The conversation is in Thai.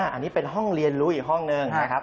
อันนี้เป็นห้องเรียนรู้อีกห้องหนึ่งนะครับ